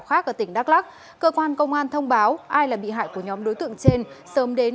khác ở tỉnh đắk lắc cơ quan công an thông báo ai là bị hại của nhóm đối tượng trên sớm đến